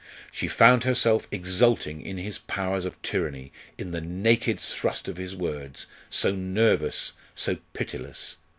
She found herself exulting in his powers of tyranny, in the naked thrust of his words, so nervous, so pitiless.